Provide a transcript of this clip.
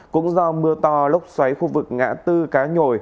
cũng do mưa to lốc xoáy khu vực ngã tư cá nhồi